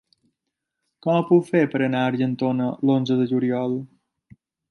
Com ho puc fer per anar a Argentona l'onze de juliol?